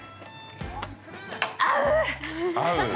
合う！